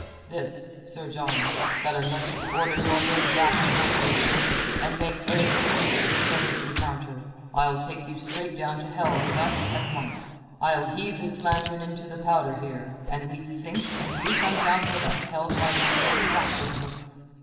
"This, Sir John, that unless you order your men back aboard your ship, and make oath to desist from this encounter, I'll take you straight down to hell with us at once. I'll heave this lantern into the powder here, and we sink and you come down with us held by your own grappling hooks.